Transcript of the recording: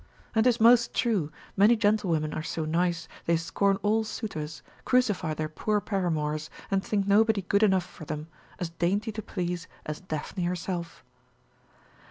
And 'tis most true, many gentlewomen are so nice, they scorn all suitors, crucify their poor paramours, and think nobody good enough for them, as dainty to please as Daphne herself.